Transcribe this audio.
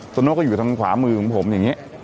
นกก็อยู่ทางขวามือของผมอย่างนี้